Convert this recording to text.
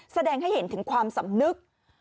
แสดงให้เห็นถึงความสำนึก